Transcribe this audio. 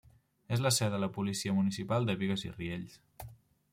És la seu de la Policia Municipal de Bigues i Riells.